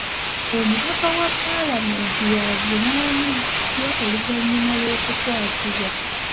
Omubaka wa paalamenti yavunaaniddwa oluvannyuma lw'okukwatibwa.